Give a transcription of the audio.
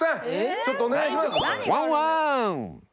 ちょっとお願いします。